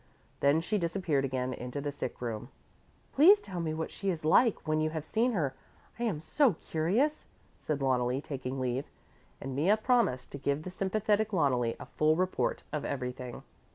Then she disappeared again into the sick room. "Please tell me what she is like, when you have seen her. I am so curious," said Loneli, taking leave, and Mea promised to give the sympathetic Loneli a full report of everything.